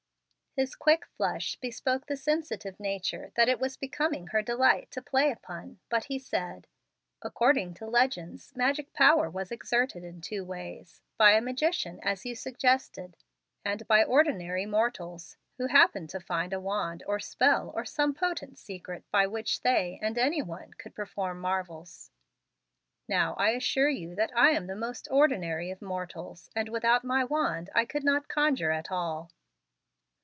His quick flush bespoke the sensitive nature that it was becoming her delight to play upon, but he said: "According to legends, magic power was exerted in two ways, by a magician, as you suggested, and by ordinary mortals who happened to find a wand or spell or some potent secret by which they and any one could perform marvels. Now I assure you that I am the most ordinary of mortals, and without my wand I could not conjure at all."